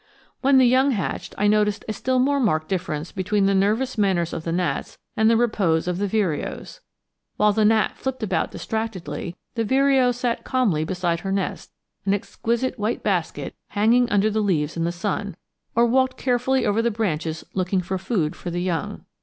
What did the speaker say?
When the young hatched I noticed a still more marked difference between the nervous manners of the gnats, and the repose of vireos. While the gnat flipped about distractedly, the vireo sat calmly beside her nest, an exquisite white basket hanging under the leaves in the sun, or walked carefully over the branches looking for food for the young.